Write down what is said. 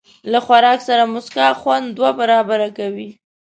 له خوراک سره موسکا، خوند دوه برابره کوي.